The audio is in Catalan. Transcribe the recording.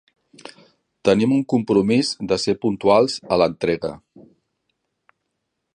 Tenim un compromís de ser puntuals a l'entrega.